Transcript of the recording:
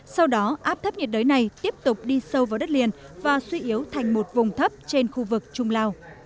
sau đó áp thấp nhiệt đới này tiếp tục đi sâu vào đất liền và suy yếu thành một vùng thấp trên khu vực trung lào